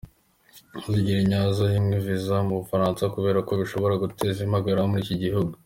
Zigiranyirazo yimwe Visa y’u Bufaransa kubera ko bishobora guteza impagarara muri iki gihugu.